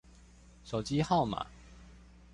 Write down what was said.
手機號碼